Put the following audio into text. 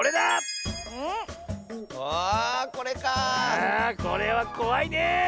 ああこれはこわいねえ！